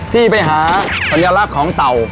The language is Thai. ที่ไปหาสัญลักษณ์ของเต่า